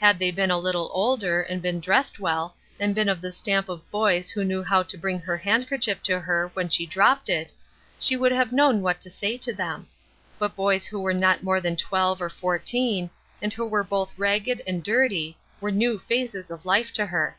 Had they been a little older, and been dressed well, and been of the stamp of boys who knew how to bring her handkerchief to her when she dropped it, she would have known what to say to them. But boys who were not more than twelve or fourteen, and who were both ragged and dirty, were new phases of life to her.